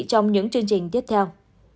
trong những chương trình tiếp theo